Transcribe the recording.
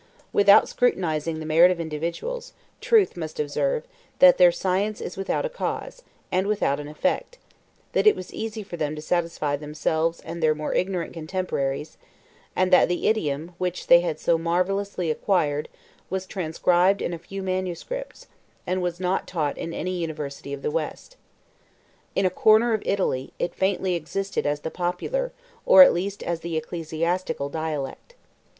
Without scrutinizing the merit of individuals, truth must observe, that their science is without a cause, and without an effect; that it was easy for them to satisfy themselves and their more ignorant contemporaries; and that the idiom, which they had so marvellously acquired was transcribed in few manuscripts, and was not taught in any university of the West. In a corner of Italy, it faintly existed as the popular, or at least as the ecclesiastical dialect.